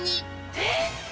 えっ！